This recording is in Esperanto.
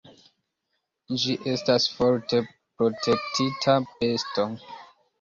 Ĝi estas forte protektita besto.